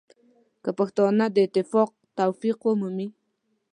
که پښتانه د اتفاق توفیق ومومي.